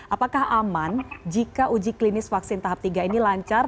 apakah aman jika uji klinis vaksin tahap tiga ini lancar